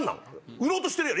売ろうとしてるやろ。